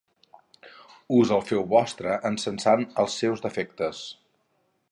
Us el feu vostre encensant els seus defectes!